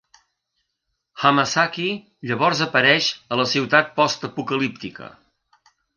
Hamasaki llavors apareix a la ciutat postapocalíptica.